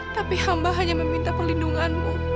tapi hamba hanya meminta perlindunganmu